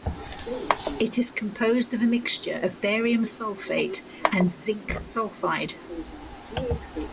It is composed of a mixture of barium sulfate and zinc sulfide.